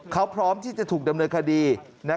เขาพร้อมที่จะถูกดำเนินคดี